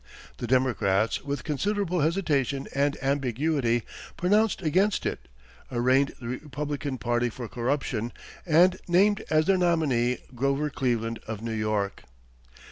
The Democrats, with considerable hesitation and ambiguity, pronounced against it, arraigned the Republican party for corruption, and named as their nominee Grover Cleveland, of New York.